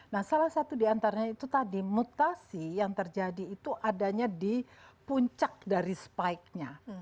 nah salah satu diantaranya itu tadi mutasi yang terjadi itu adanya di puncak dari spike nya